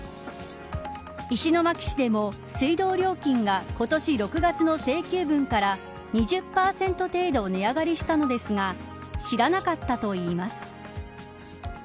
石巻市でも水道料金が今年６月の請求分から２０％程度値上がりしたのですが知らなかったといいます。